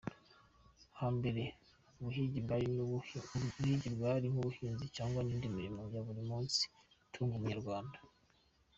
Hambere, ubuhigi bwari nk’ubuhinzi cyangwa indi mirimo ya buri munsi itunga umunyarwanda.